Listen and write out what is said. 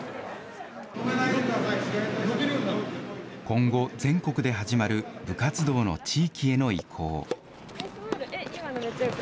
今後、全国で始まる部活動の地域への移行。